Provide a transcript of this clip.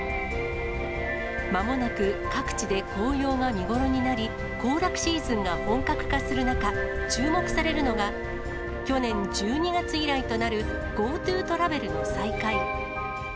まもなく各地で紅葉が見頃になり、行楽シーズンが本格化する中、注目されるのが、去年１２月以来となる、ＧｏＴｏトラベルの再開。